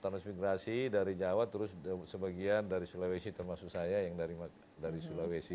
transmigrasi dari jawa terus sebagian dari sulawesi termasuk saya yang dari sulawesi